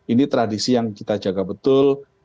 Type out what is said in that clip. ini tradisi yang kita jaga betul